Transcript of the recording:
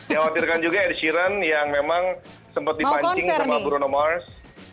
yang khawatirkan juga ed sheeran yang memang sempat dipancing sama bruno mars